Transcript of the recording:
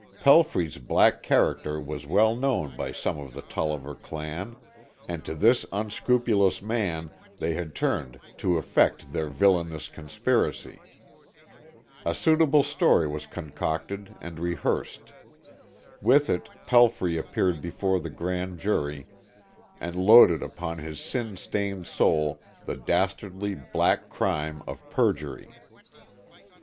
Pelfrey's black character was well known by some of the Tolliver clan, and to this unscrupulous man they had turned to effect their villainous conspiracy. A suitable story was concocted and rehearsed. With it Pelfrey appeared before the grand jury, and loaded upon his sin stained soul the dastardly, black crime of perjury.